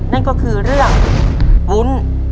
นั่นก็คือเรื่องวุ้น